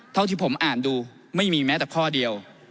เท่าที่ผมอ่านดูไม่มีแม้แต่ข้อเดียว